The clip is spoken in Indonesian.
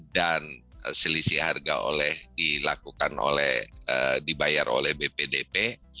dan selisih harga dibayar oleh bpdp